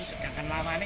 sedangkan lama ini